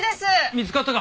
見つかったか？